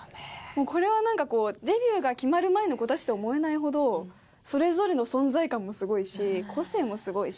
もうこれはなんかこうデビューが決まる前の子たちと思えないほどそれぞれの存在感もすごいし個性もすごいし。